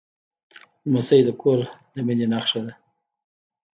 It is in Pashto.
لمسی د کور د مینې نښه ده.